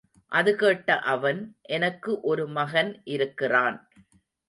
அது கேட்ட அவன், எனக்கு ஒரு மகன் இருக்கிறான்.